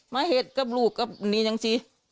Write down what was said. ไม่เฮตกับลูกกับนี่จังสิ